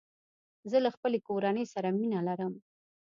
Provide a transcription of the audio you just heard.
زه له خپلي کورنۍ سره مينه لرم